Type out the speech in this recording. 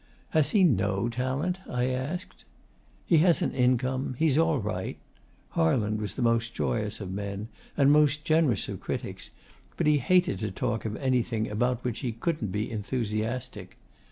'Has he NO talent?' I asked. 'He has an income. He's all right.' Harland was the most joyous of men and most generous of critics, and he hated to talk of anything about which he couldn't be enthusiastic.